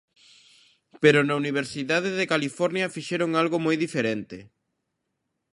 Pero na Universidade de California fixeron algo moi diferente.